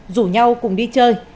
rủ nhau cùng đi chơi